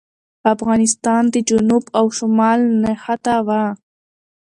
افغانستان د جنوب او شمال نښته وه.